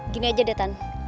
gini aja deh tan